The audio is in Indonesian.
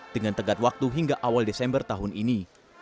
dengan tegak waktu hingga awal desember tahun ini